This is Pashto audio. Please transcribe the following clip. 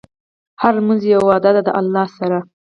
هره لمونځ یوه وعده ده د الله سره.